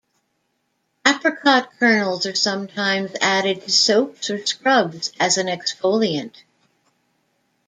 Apricot kernels are sometimes added to soaps or scrubs as an exfoliant.